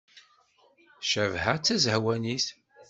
Cabḥa d tazehwanit.